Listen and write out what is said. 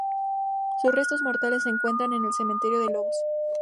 Sus restos mortales se encuentran en el cementerio de Lobos.